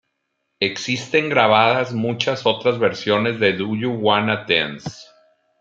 Existen grabadas muchas otras versiones de Do You Wanna Dance?.